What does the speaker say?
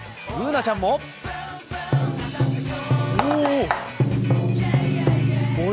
Ｂｏｏｎａちゃんもおお！